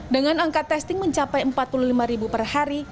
dengan angka testing mencapai empat puluh lima ribu per hari